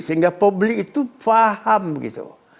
sehingga publik itu paham gitu